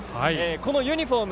このユニフォーム